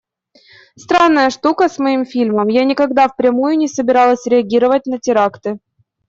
Странная штука с моим фильмом – я никогда впрямую не собирался реагировать на теракты.